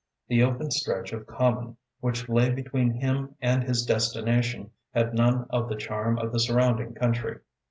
The open stretch of common which lay between him and his destination had none of the charm of the surrounding country.